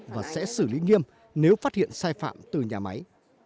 và sẽ xử lý nghiêm nếu phát hiện sai phạm từ nhà máy